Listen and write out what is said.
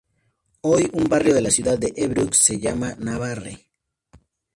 Hoy un barrio de la ciudad de Évreux se llama Navarre.